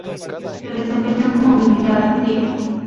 Se desempeñó como militar activo.